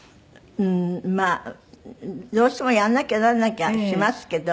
まあどうしてもやらなきゃならなきゃしますけど。